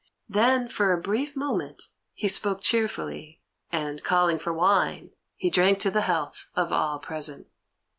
Then, for a brief moment, he spoke cheerfully, and, calling for wine, he drank to the health of all present.